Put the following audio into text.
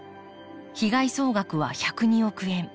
被害総額は１０２億円。